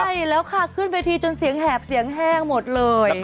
ใช่แล้วค่ะขึ้นเวทีจนเสียงแหบเสียงแห้งหมดเลย